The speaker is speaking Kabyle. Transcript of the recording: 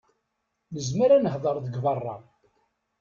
Nezmer ad nehder deg berra.